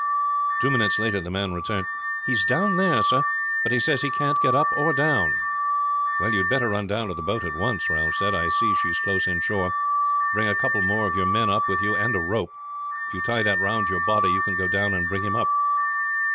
Two minutes later the man returned: "He's down there, sir; but he says he can't get up or down." "You had better run down to the boat at once," Ralph said. "I see she is close inshore. Bring a couple more of your men up with you and a rope. If you tie that round your body you can go down and bring him up."